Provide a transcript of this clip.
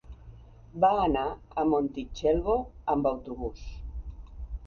Va anar a Montitxelvo amb autobús.